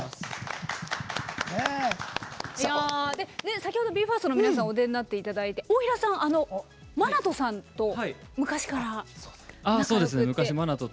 先ほどＢＥ：ＦＩＲＳＴの皆さんお出になっていただいて大平さんはＭＡＮＡＴＯさんと昔から仲よくと。